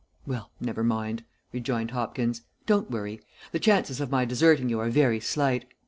"Well, never mind," rejoined Hopkins. "Don't worry. The chances of my deserting you are very slight.